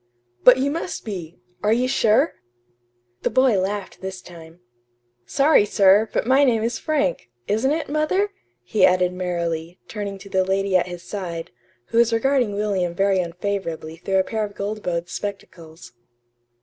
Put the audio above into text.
"But you must be! Are you sure?" The boy laughed this time. "Sorry, sir, but my name is 'Frank'; isn't it, mother?" he added merrily, turning to the lady at his side, who was regarding William very unfavorably through a pair of gold bowed spectacles.